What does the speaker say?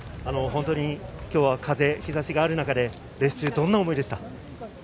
今日は風と日差しがある中でレース中はどんな思いでしたか？